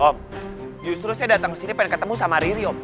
om justru saya datang kesini pengen ketemu sama riri om